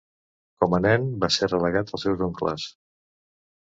Com a nen, va ser relegat als seus oncles.